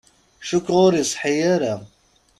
Cukkeɣ ur iṣeḥḥi ara.